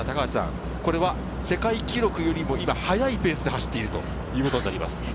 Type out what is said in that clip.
これは世界記録よりも今、速いペースで走っているということになります。